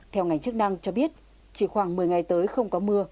theo ngành chức năng cho biết chỉ khoảng một mươi ngày tới không có mưa